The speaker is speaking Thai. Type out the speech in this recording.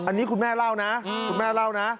อันนี้คุณแม่เล่านะคุณแม่เล่านะ